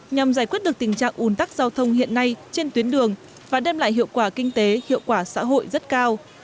nhằm giải quyết được tình trạng ủn tắc giao thông hiện nay trên tuyến đường và đem lại hiệu quả kinh tế hiệu quả xã hội rất cao